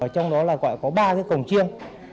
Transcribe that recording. trong đó có ba cái cổng chiêng